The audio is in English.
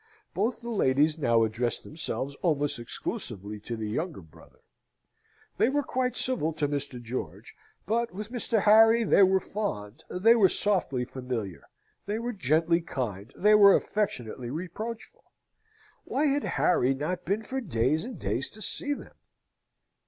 Both the ladies now addressed themselves almost exclusively to the younger brother. They were quite civil to Mr. George: but with Mr. Harry they were fond, they were softly familiar, they were gently kind, they were affectionately reproachful. Why had Harry not been for days and days to see them?